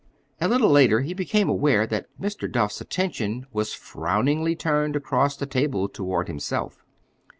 A little later he became aware that Mr. Duff's attention was frowningly turned across the table toward himself.